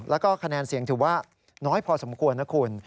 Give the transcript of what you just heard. แล้วก็คะแนนเสียงถือว่าน้อยพอสมควรนะคุณ